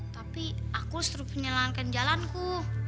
tapi aku harus menyelangkan jalanku